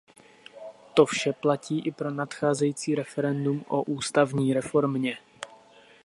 To vše platí i pro nadcházející referendum o ústavní reformě.